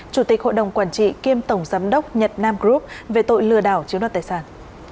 chủ tịch hội đồng quản trị kiêm tổng giám đốc nhật nam group về tội lừa đảo chiếu đoạt tài sản